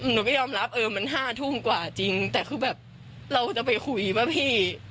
ไม่ยอมรับเออมัน๕ทุ่มกว่าจริงแต่คือแบบเราจะไปคุยป่ะพี่